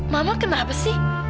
mama kenapa sih